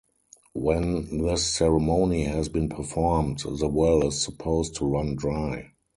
When this ceremony has been performed, the well is supposed to run dry.